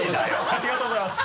ありがとうございます！